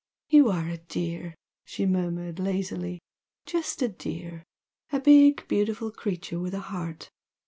"You are a dear!" she murmured, lazily "Just a dear! A big, beautiful creature with a heart!